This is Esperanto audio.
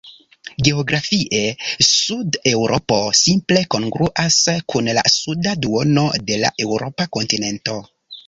Geografie, Sud-Eŭropo simple kongruas kun la suda duono de la eŭropa kontinento.